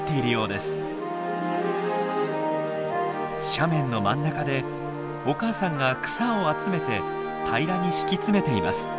斜面の真ん中でお母さんが草を集めて平らに敷き詰めています。